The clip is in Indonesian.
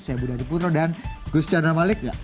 saya budha diputro dan gus chandra malik